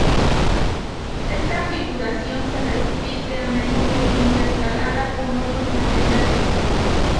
Esta figuración se repite a menudo, intercalada con otros materiales.